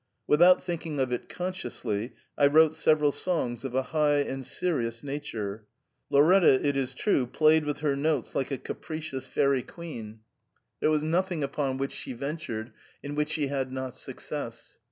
Without thinking of it consciously, I wrote several songs of a high and serious nature. Lauretta, it is true, played with her notes like a capricious fairy queen. THE PERM AT A. 47 There was nothing upon which she ventured in which she had not success.